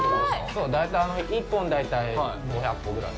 そう、１本、大体５００個ぐらい。